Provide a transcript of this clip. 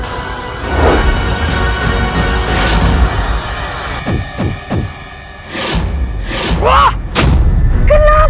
kenapa aku selalu